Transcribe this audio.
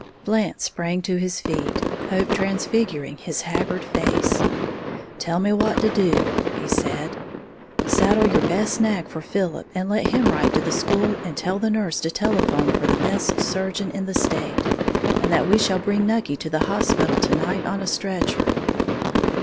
Blant sprang to his feet, hope transfiguring his haggard face. "Tell me what to do," he said. "Saddle your best nag for Philip, and let him ride to the school and tell the nurse to telephone for the best surgeon in the state, and that we shall bring Nucky to the hospital to night on a stretcher."